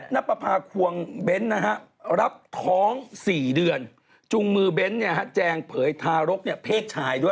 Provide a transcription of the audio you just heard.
มันก็พาควงเบ้นท์นะฮะรับท้อง๔เดือนจุงมือเบ้นท์เนี่ยฮะแจงเผยทารกเนี่ยเพศชายด้วย